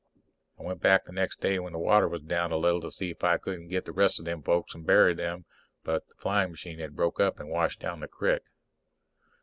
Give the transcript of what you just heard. I went back the next day when the water was down a little, to see if I couldn't get the rest of them folks and bury them, but the flying machine had broke up and washed down the crick.